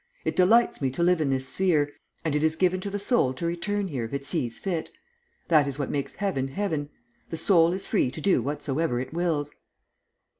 It delights me to live in this sphere, and it is given to the soul to return here if it sees fit. That is what makes heaven heaven. The soul is free to do whatsoever it wills."